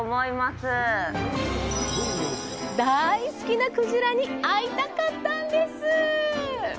大好きな鯨に会いたかったんです。